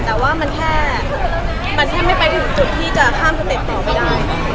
แต่ว่ามันแค่มันแทบไม่ไปถึงจุดที่จะข้ามสเต็ปต่อไปได้